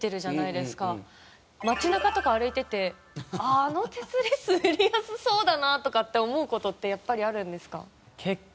街なかとかを歩いてて「あの手すり滑りやすそうだな」とかって思う事ってやっぱりあるんですか？